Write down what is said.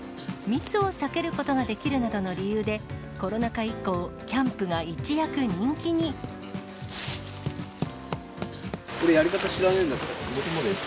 密を避けることができるなどの理由で、コロナ禍以降、キャンプがこれ、僕もです。